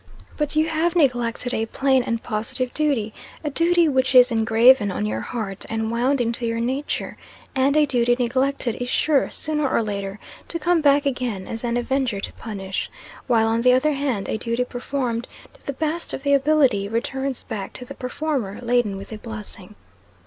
But you have neglected a plain and positive duty a duty which is engraven on your heart and wound into your nature: and a duty neglected is sure, sooner or later, to come back again as an avenger to punish; while, on the other hand, a duty performed to the best of the ability returns back to the performer laden with a blessing.